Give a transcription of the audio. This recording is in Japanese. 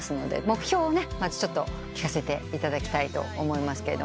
目標をねまず聞かせていただきたいと思います。